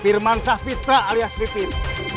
firman syafiqa alias pipit